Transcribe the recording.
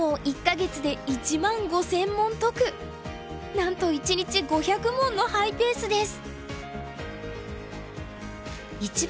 なんと１日５００問のハイペースです。